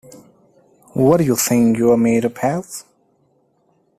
What do you think you're made up as?